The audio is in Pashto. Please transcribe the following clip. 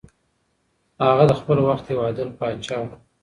هغه د خپل وخت یو عادل پاچا و.